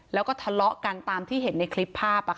แล้วก็ทะเลาะกันตามที่เห็นในคลิปภาพ